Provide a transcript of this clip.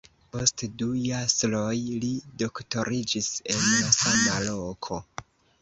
Post du jasroj li doktoriĝis en la sama loko.